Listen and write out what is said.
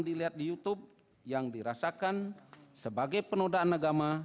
hal ini men crushing intetekan